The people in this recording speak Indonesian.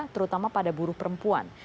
terutama pada buruh perempuan